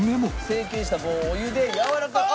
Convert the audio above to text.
成型した棒をお湯でやわらかく。